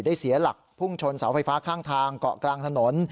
เสียหลักพุ่งชนเสาไฟฟ้าข้างทางเกาะกลางถนน